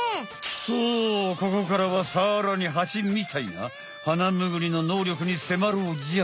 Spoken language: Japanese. そうここからはさらにハチみたいなハナムグリの能力にせまろうじゃん。